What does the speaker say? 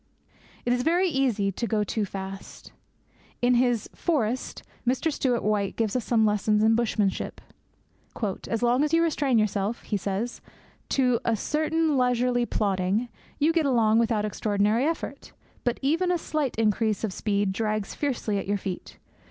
It is very easy to go too fast. In his Forest, Mr. Stewart White gives us some lessons in bushmanship. 'As long as you restrain yourself,' he says, 'to a certain leisurely plodding, you get along without extraordinary effort; but even a slight increase of speed drags fiercely at your feet.